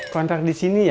kontrak disini ya